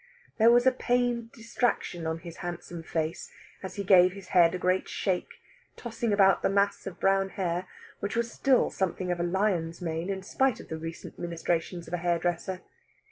There was a pained distraction on his handsome face as he gave his head a great shake, tossing about the mass of brown hair, which was still something of a lion's mane, in spite of the recent ministrations of a hairdresser.